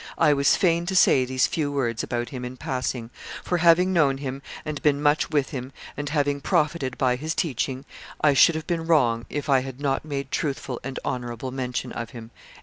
I was fain to say these few words about him in passing, for, having known him and been much with him, and having profited by his teaching, I should have been wrong if I had not made truthful and honorable mention of him."